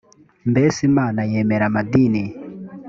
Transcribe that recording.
mbese imana yemera amadini